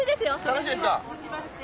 楽しいですか。